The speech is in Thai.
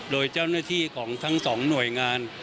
โดยเจ้าหน้าที่ของทั้งสองหน่วยงาน